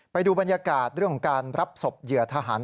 ไปดูบรรยากาศเรื่องของการรับศพเหยื่อทหาร